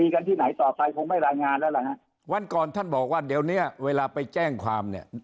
กันที่ไหนต่อไปคงไม่รายงานแล้วล่ะฮะวันก่อนท่านบอกว่าเดี๋ยวเนี้ยเวลาไปแจ้งความเนี่ย